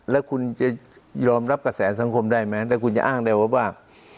แล้วคุณจะยอมรับกระแสสังคมได้ไหมแต่คุณจะอ้างได้ว่า